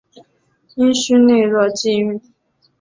阴虚内热忌用。